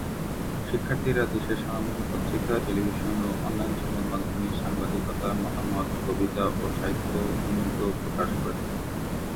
শিক্ষার্থীরা দেশের স্বনামধন্য পত্রিকা, টেলিভিশন ও অনলাইন সংবাদ মাধ্যমে সাংবাদিকতা, মতামত, কবিতা ও সাহিত্য নিয়মিত প্রকাশ করে থাকে।